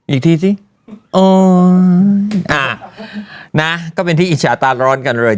อีกทีซิอ้าวนะก็เป็นที่อิกชาตารย์ร้อนกันเลย